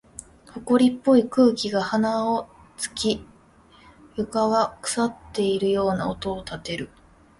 埃っぽい空気が鼻を突き、床は腐っているような音を立てる。